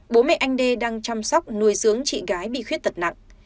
bố mẹ anh đê đang chăm sóc nuôi dưỡng chị gái bị khuyết tật nặng